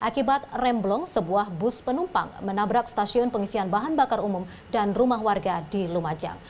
akibat remblong sebuah bus penumpang menabrak stasiun pengisian bahan bakar umum dan rumah warga di lumajang